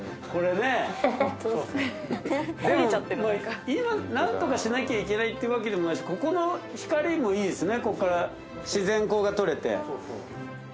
でも今なんとかしなきゃいけないっていうわけでもないしここのここから自然光がとれて。